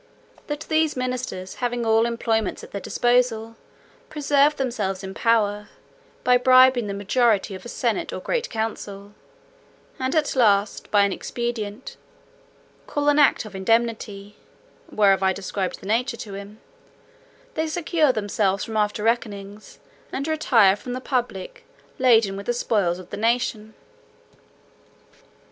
That these ministers, having all employments at their disposal, preserve themselves in power, by bribing the majority of a senate or great council; and at last, by an expedient, called an act of indemnity" (whereof I described the nature to him), "they secure themselves from after reckonings, and retire from the public laden with the spoils of the nation.